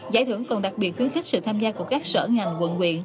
giải thưởng còn đặc biệt khuyến khích sự tham gia của các sở ngành quận quyện